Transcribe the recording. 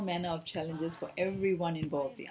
semua jenis tantangan yang bergantung untuk semua orang